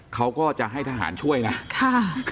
เขาก็จะให้ทหารช่วยนะค่ะ